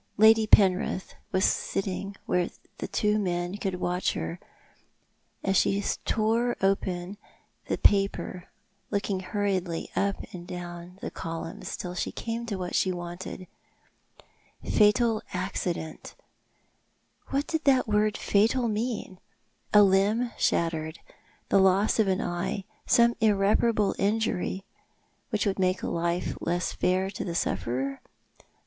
Lady Penrith was pitting where the two men could watch her, as she tore open the paper, looking hurriedly up and down the columns till she came to what she wanted. Fatal accident ! What did that word fatal mean ? A limb shattered — the loss of an eye — some irreparable injury, which would make life less fair to the sufferer?